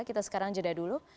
kita sekarang jeda dulu